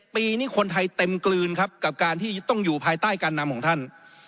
ปีนี้คนไทยเต็มกลืนครับกับการที่ต้องอยู่ภายใต้การนำของท่าน